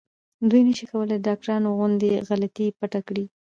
دوی نشي کولای د ډاکټرانو غوندې غلطي پټه کړي.